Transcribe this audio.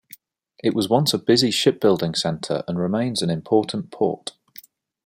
It was once a busy shipbuilding center and remains an important port.